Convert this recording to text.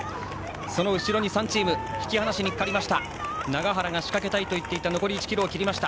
その後ろ、３チーム引き離しにかかりました。